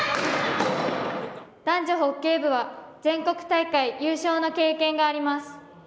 男女ホッケー部は全国大会優勝の経験があります。